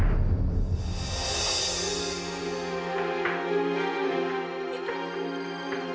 dia anak jahat